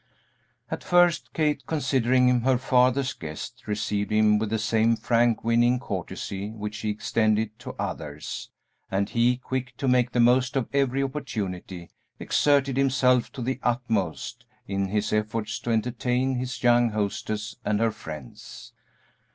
At first, Kate, considering him her father's guest, received him with the same frank, winning courtesy which she extended to others, and he, quick to make the most of every opportunity, exerted himself to the utmost in his efforts to entertain his young hostess and her friends.